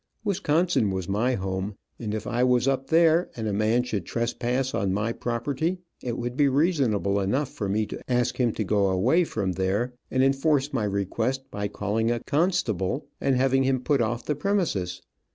Wisconsin was my home, and if I was up there, and a man should trespass on my property, it would be reasonable enough for me to ask him to go away from there, and enforce my request by calling a constable and having him put off the premises.